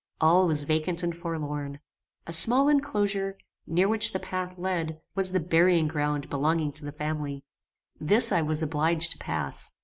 All was vacant and forlorn. A small enclosure, near which the path led, was the burying ground belonging to the family. This I was obliged to pass.